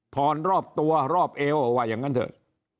พอร์นรอบตัวรอบเอ้าออกแบบนั้นเถอะ